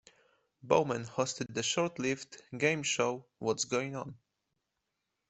Bowman hosted the short-lived game show What's Going On?